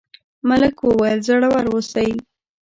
ملک وویل زړور اوسئ.